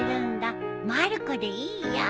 まる子でいいよ。